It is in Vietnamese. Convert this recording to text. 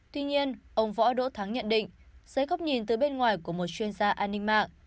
tuy nhiên ông võ đỗ thắng nhận định dưới góc nhìn từ bên ngoài của một chuyên gia an ninh mạng